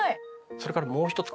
それからもう一つ